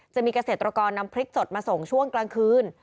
จะมีเกษตรกรนำพริกสดมาส่งช่วงกลางคืน